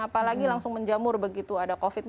apalagi langsung menjamur begitu ada covid sembilan belas